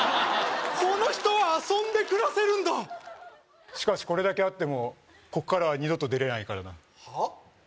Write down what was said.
この人は遊んで暮らせるんだしかしこれだけあってもここからは二度と出れないからなはあ？